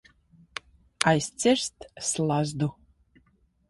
Aizcirst slazdu.